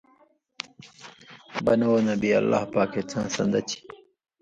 بنہ اُو نبی، اللہ پاکے څاں سن٘دہ چھی،